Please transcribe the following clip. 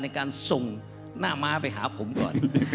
ในการส่งหน้าม้าไปหาผมก่อน